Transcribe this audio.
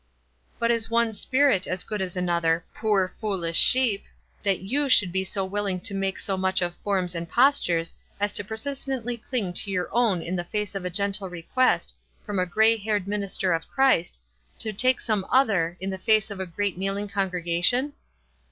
" But is one spirit as good as another, poor, foolish sheep ! that you should be willing to make so much of forms and postures as to per sistently cling to your own in tne face of a gentle request, from a gray haired minister of Christ, to take some other, in the face of a great kneel ing congregation